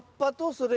それ！